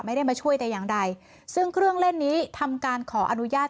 ไม่ได้มาช่วยแต่อย่างใดซึ่งเครื่องเล่นนี้ทำการขออนุญาต